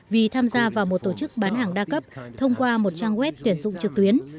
vì tham gia vào một tổ chức bán hàng đa cấp thông qua một trang web tuyển dụng trực tuyến